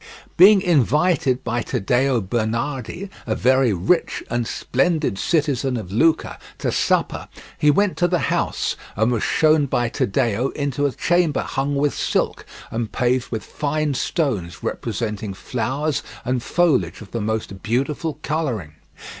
Being invited by Taddeo Bernardi, a very rich and splendid citizen of Luca, to supper, he went to the house and was shown by Taddeo into a chamber hung with silk and paved with fine stones representing flowers and foliage of the most beautiful colouring.